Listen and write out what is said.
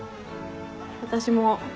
私も。